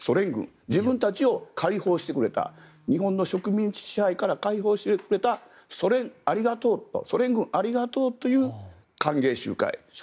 自分たちを解放してくれた日本の植民地支配から解放してくれたソ連ありがとうとソ連軍ありがとうという歓迎集会。